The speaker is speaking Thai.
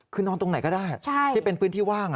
คือนอนตรงไหนก็ได้ที่เป็นพื้นที่ว่าง